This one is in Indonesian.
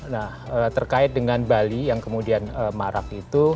nah terkait dengan bali yang kemudian marak itu